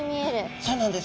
そうなんです。